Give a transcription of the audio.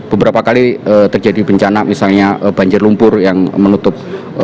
beberapa kali terjadi bencana misalnya banjir lumpur yang menutup